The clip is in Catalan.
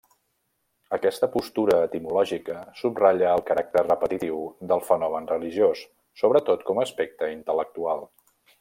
Aquesta postura etimològica subratlla el caràcter repetitiu del fenomen religiós, sobretot com a aspecte intel·lectual.